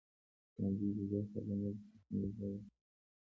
ښوونځي د دې خزانې د ساتنې ځای وو.